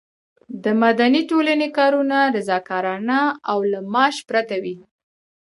د مدني ټولنې کارونه رضاکارانه او له معاش پرته وي.